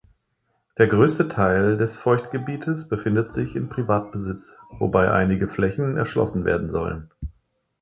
Der größte Teil des Feuchtgebietes befindet sich in Privatbesitz, wobei einige Flächen erschlossen werden sollen.